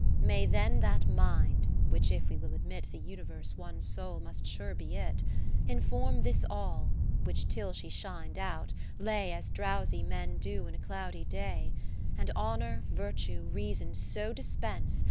30 May then that Mind (which, if we will admit The Universe one Soul, must sure be it) Inform this All (which, till she shin'd out, lay As drowsy men do in a cloudy day), And Honour, Virtue, Reason so dispense.